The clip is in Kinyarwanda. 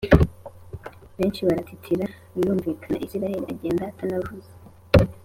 benshi baratitiye birumvikana, israel agenda atanavuze